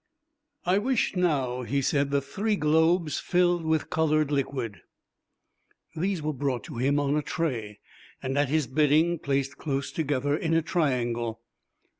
"I wish now," he said, "the three globes filled with colored fluid." These were brought to him on a tray, and at his bidding placed close together in a triangle.